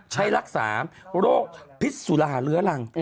ใช้รักษาโรคพิษสุราเรื้อรัง